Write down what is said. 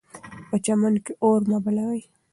په چمن کې اور مه بلئ.